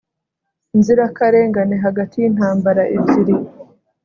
inzirakarengane hagati y'intambara ebyiri